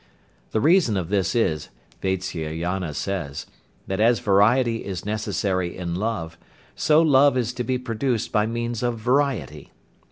The reason of this is, Vatsyayana says, that as variety is necessary in love, so love is to be produced by means of variety.